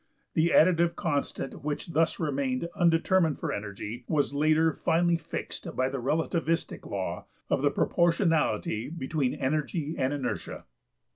The additive constant which thus remained undetermined for energy was later finally fixed by the relativistic law of the proportionality between energy and inertia(15).